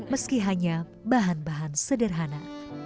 meski hanya bahan bahan sederhana